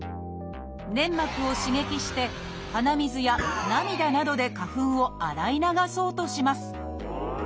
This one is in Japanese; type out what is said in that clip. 粘膜を刺激して鼻水や涙などで花粉を洗い流そうとします。